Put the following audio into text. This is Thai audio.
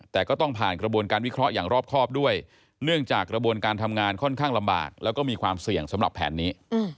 แต่ก็ต้องผ่านกระบวนการวิเคราะห์อย่างรอบครอบด้วยเนื่องจากกระบวนการทำงานค่อนข้างลำบากแล้วก็มีความเสี่ยงสำหรับแผนนี้